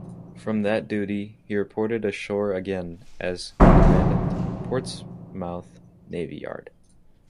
From that duty, he reported ashore again as Commandant, Portsmouth Navy Yard.